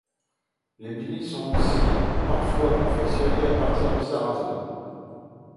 Les blinis y sont aussi parfois confectionnés à partir de sarrasin.